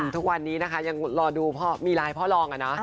ทุกวันนี้นะคะยังรอดูพ่อมีไลน์พ่อรองอะเนาะ